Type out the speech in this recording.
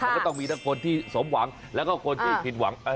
อยากต้องบีนกันคนที่สมหวังและก็คนถึงผิดหวัง